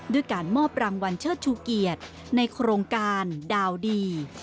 ด้วยการมอบรางวัลเชิดชูเกียรติในโครงการดาวดี